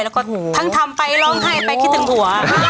แล้วก็ทำไปลองให้สำคัญคิดถึงหัว